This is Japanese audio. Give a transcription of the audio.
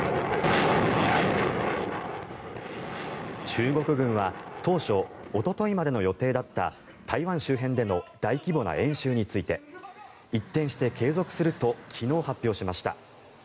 中国軍は当初おとといまでの予定だった台湾周辺での大規模な演習について一転して、継続すると昨日発表しました。